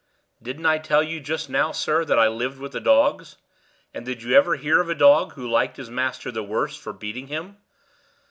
"Didn't I tell you just now, sir, that I lived with the dogs? and did you ever hear of a dog who liked his master the worse for beating him?